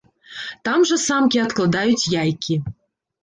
Там жа самкі адкладаюць яйкі.